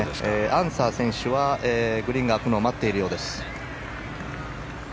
アンサー選手はグリーンが空くのを待っているようです。